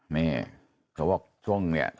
เนี่ยเพราะว่าช่วงเนี่ย